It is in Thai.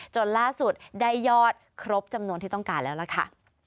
จนล่าสุดได้ยอดครบจำนวนที่ต้องการแล้วล่ะค่ะ